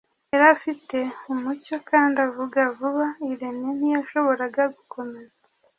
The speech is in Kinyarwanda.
Yari afite umucyo, kandi avuga vuba, Irene ntiyashoboraga gukomeza